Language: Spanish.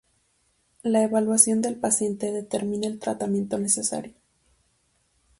La evaluación del paciente determina el tratamiento necesario.